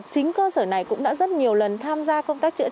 chính cơ sở này cũng đã rất nhiều lần tham gia công tác trịa trái